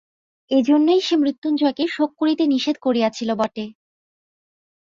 এইজন্যই সে মৃত্যুঞ্জয়কে শোক করিতে নিষেধ করিয়াছিল বটে!